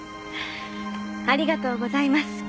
ありがとうございます。